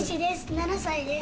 ７歳です。